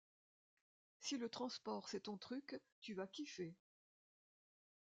Si le transport c’est ton truc, tu vas kiffer.